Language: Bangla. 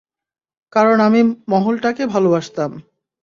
কারণ আমি মহলটাকে ভালোবাসতাম।